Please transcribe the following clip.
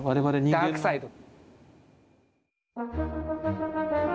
ダークサイド。